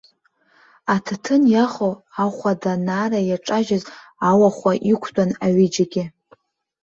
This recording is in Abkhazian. Аҭаҭын иахо, ахәада анаара иаҿажьыз ауахәа иқәтәан аҩыџьагьы.